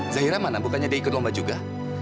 zahira mana bukannya dia ikut lomba juga